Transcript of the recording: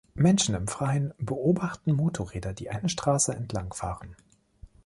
Menschen im Freien beobachten Motorräder, die eine Straße entlang fahren.